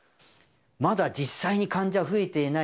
まだ実際に患者増えていない、